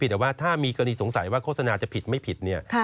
แต่ว่าถ้ามีกรณีสงสัยว่าโฆษณาจะผิดไม่ผิดเนี่ย